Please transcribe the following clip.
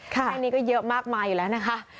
แค่นี้ก็เยอะมากมายอยู่แล้วนะคะ